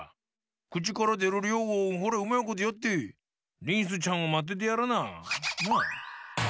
くちからでるりょうをホレうまいことやってリンスちゃんをまっててやらな。なあ！